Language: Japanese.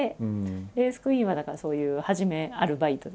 レースクイーンはだからそういう初めアルバイトでした。